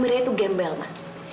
mirai itu gembel mas